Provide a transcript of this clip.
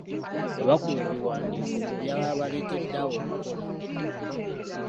Abakuba ebiwandiiko mu byaba balekedde awo okukola.